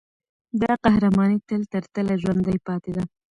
دا قهرماني تله ترتله ژوندي پاتې ده.